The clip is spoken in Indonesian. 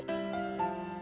tidak bisa ibu